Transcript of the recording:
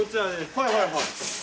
はいはいはい。